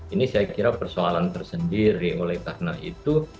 ini saya kira persoalan tersendiri oleh karena itu